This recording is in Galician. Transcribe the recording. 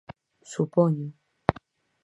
Supoño.